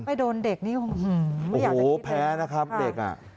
ไม่โดนเด็กนี้โอ้โหแพ้นะครับเด็ก